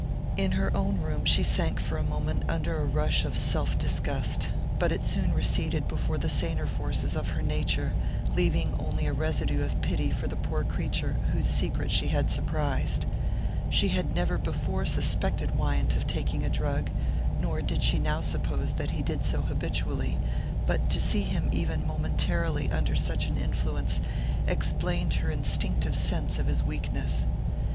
In her own room she sank for a moment under a rush of self disgust; but it soon receded before the saner forces of her nature, leaving only a residue of pity for the poor creature whose secret she had surprised. She had never before suspected Wyant of taking a drug, nor did she now suppose that he did so habitually; but to see him even momentarily under such an influence explained her instinctive sense of his weakness.